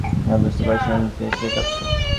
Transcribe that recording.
আমি বুঝতে পারছিলাম যে, সে কাঁপছে।